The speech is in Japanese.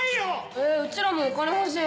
えうちらもお金欲しい。